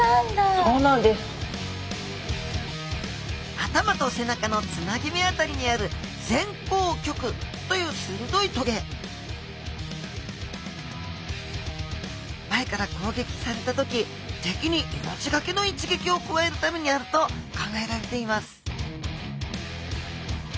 頭と背中のつなぎめ辺りにある前向棘というするどい棘前からこうげきされた時敵に命がけの一撃を加えるためにあると考えられています